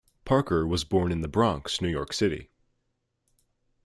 Parker was born in the Bronx, New York City.